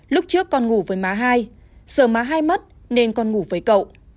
lúc trước con ngủ với má hai sợ má hai mất nên con ngủ với cậu